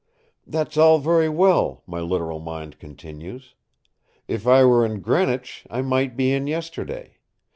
"That's all very well," my literal mind continues, "If I were in Greenwich I might be in yesterday.